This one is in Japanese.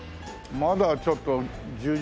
まだちょっと十条